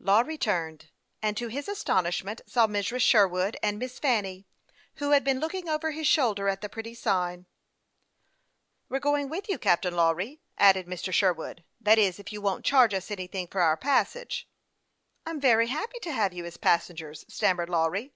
Lawry turned, and to his astonishment saw Mrs. Sherwood and Miss Fanny, who had been looking over his shoulder at the pretty sign. " We are going with you, Captain Lawry," added Mr. Sherwood ;" that is, if you won't charge us anything for our passage." THE YOTJXG PILOT OF LAKE CHAMPLAIN. " I am very happy to have you as passengers," stammered Lawry.